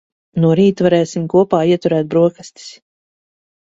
No rīta varēsim kopā ieturēt broksastis.